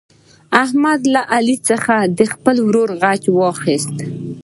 احمد له علي څخه د خپل ورور غچ واخیست.